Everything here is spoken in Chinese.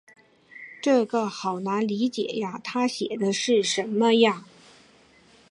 这个好难理解呀，她写的是什么呀？